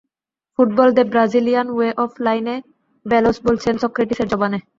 Football the Brazilian way of life এ Bellos বলছেন সক্রেটিসের জবানে।